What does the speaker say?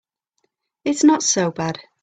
It's not so bad.